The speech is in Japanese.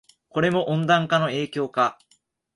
これも温暖化の影響か